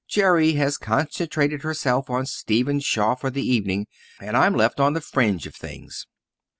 "Jerry has concentrated herself on Stephen Shaw for the evening and I'm left on the fringe of things."